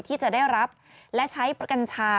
ที่จะได้รับและใช้กัญชา